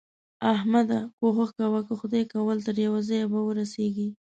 احمده! کوښښ کوه؛ که خدای کول تر يوه ځايه به ورسېږې.